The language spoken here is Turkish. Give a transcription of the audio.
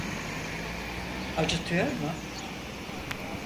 Acıtıyor mu?